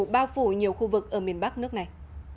bao phủ nhiều khu vực ở miền bắc nước này